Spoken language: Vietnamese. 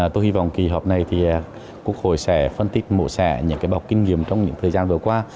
tôi hy vọng kỳ họp này thì quốc hội sẽ phân tích mổ xẻ những cái bọc kinh nghiệm trong những thời gian vừa qua